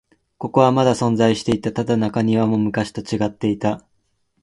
ここはまだ存在していた。ただ、中庭も昔と違っていた。